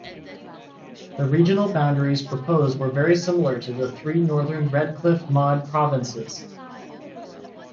The regional boundaries proposed were very similar to the three northern Redcliffe-Maud provinces.